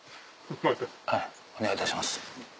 お願いいたします。